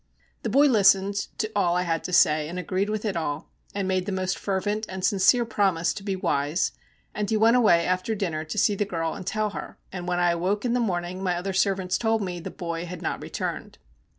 The boy listened to all I had to say, and agreed with it all, and made the most fervent and sincere promise to be wise; and he went away after dinner to see the girl and tell her, and when I awoke in the morning my other servants told me the boy had not returned.